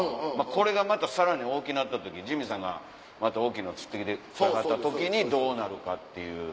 これがまたさらに大きなった時ジミーさんがまた大きいの釣って来てくれはった時にどうなるかっていう。